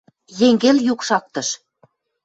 Йӹнгӹл юк шактыш.